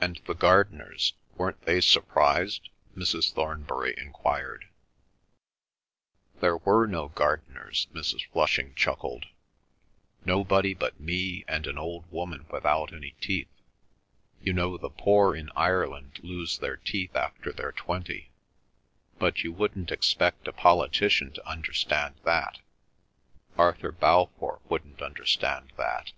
"And the gardeners, weren't they surprised?" Mrs. Thornbury enquired. "There were no gardeners," Mrs. Flushing chuckled. "Nobody but me and an old woman without any teeth. You know the poor in Ireland lose their teeth after they're twenty. But you wouldn't expect a politician to understand that—Arthur Balfour wouldn't understand that."